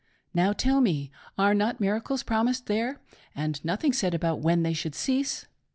Now tell me — ^Are not miracles promised there, and nothing said about when they should cease.